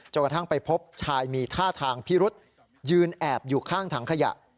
กระทั่งไปพบชายมีท่าทางพิรุษยืนแอบอยู่ข้างถังขยะ